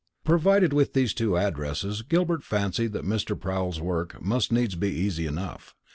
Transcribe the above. Provided with these two addresses, Gilbert fancied that Mr. Proul's work must needs be easy enough.